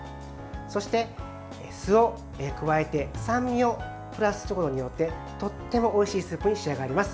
そして、酢を加えて酸味をプラスすることによってとってもおいしいスープに仕上がります。